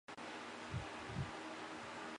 他现在效力于德国足球甲级联赛球队汉堡。